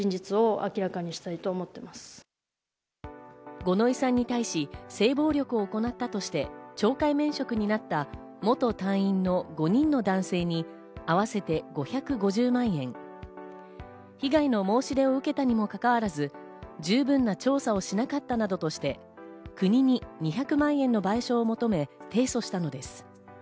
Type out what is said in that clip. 五ノ井さんに対し性暴力を行ったとして懲戒免職になった元隊員の５人の男性に合わせて５５０万円、被害の申し出を受けたにもかかわらず十分な調査をしなかったなどとして国に２００万円の賠償を求め提訴したのです。